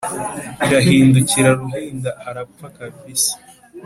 irahindukira ruhinda arapfa kabisa